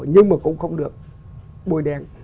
nhưng mà cũng không được bồi đen